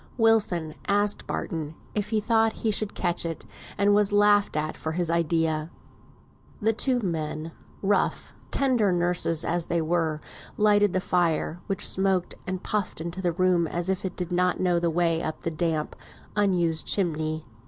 Wilson asked Barton if he thought he should catch it, and was laughed at for his idea. The two men, rough, tender nurses as they were, lighted the fire, which smoked and puffed into the room as if it did not know the way up the damp, unused chimney.